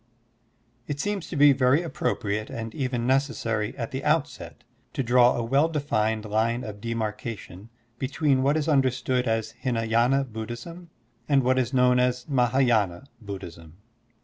IT seems to be very appropriate and even necessary at the outset to draw a well defined line of demarcation between what is understood as Hlnaydna Buddhism and what is known as MahS,y^na Buddhism.